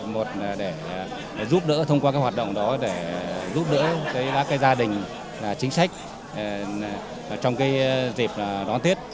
một là để giúp đỡ thông qua cái hoạt động đó để giúp đỡ các gia đình chính sách trong dịp đón tết